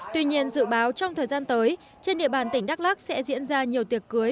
tuy nhiên dự báo trong thời gian tới trên địa bàn tỉnh đắk lắc sẽ diễn ra nhiều tiệc cưới